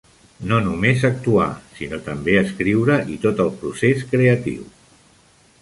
No només actuar, sinó també escriure i tot el procés creatiu.